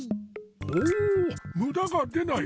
おぉむだが出ない！